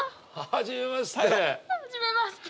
はじめまして！